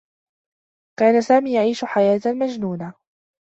كان سامي يعيش حياة مجنونة.